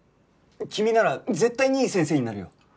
君なら絶対にいい先生になるよ。